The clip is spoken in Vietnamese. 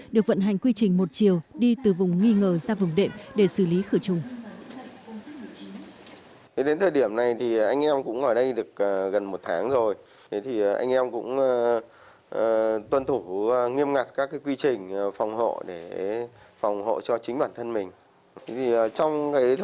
được vận hành quy trình một chiều đi từ vùng nghi ngờ ra vùng đệm để xử lý khử trùng